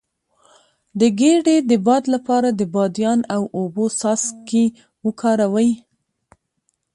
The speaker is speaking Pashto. د ګیډې د باد لپاره د بادیان او اوبو څاڅکي وکاروئ